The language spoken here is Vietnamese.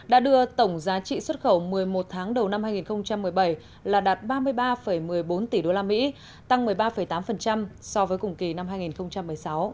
đã đưa tổng giá trị xuất khẩu một mươi một tháng đầu năm hai nghìn một mươi bảy là đạt ba mươi ba một mươi bốn tỷ usd tăng một mươi ba tám so với cùng kỳ năm hai nghìn một mươi sáu